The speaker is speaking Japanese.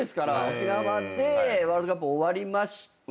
沖縄でワールドカップ終わりました。